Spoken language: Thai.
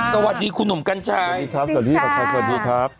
สวัสดีคุณหนุ่มกัญชัยครับสวัสดีครับสวัสดีครับ